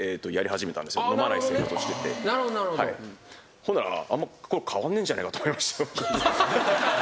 ほんならあんまりこれ変わんねえんじゃねえかと思いまして僕。